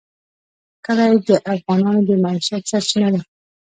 کلي د افغانانو د معیشت سرچینه ده.